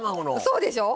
そうでしょう。